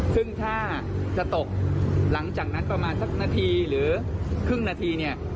ซึ่งถ้าจะตกหลังจากนั้นประมาณสักนาทีหรือครึ่งนาทีเนี่ย